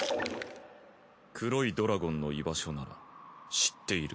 黒いドラゴンの居場所なら知っている。